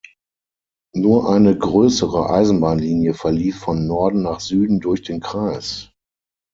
Nur eine größere Eisenbahnlinie verlief von Norden nach Süden durch den Kreis.